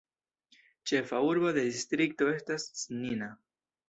Ĉefa urbo de distrikto estas Snina.